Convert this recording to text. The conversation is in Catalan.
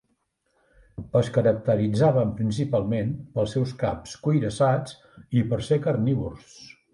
Es caracteritzaven principalment pels seus caps cuirassats i per ser carnívors.